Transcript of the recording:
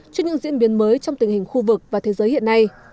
trước những diễn biến mới trong tình hình khu vực và thế giới hiện nay